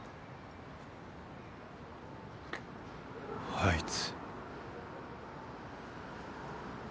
あいつ。